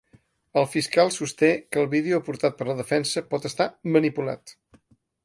El fiscal sosté que el vídeo aportat per la defensa pot estar ‘manipulat’.